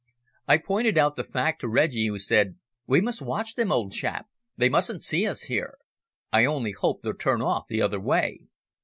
I pointed out the fact to Reggie, who said "We must watch them, old chap. They mustn't see us here. I only hope they'll turn off the other way."